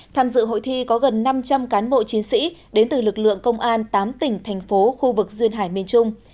tham dự hội thi có gần năm trăm linh cán bộ chiến sĩ đến từ lực lượng công an tám tỉnh thành phố khu vực duyên hải miền trung